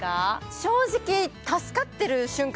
正直助かってる瞬間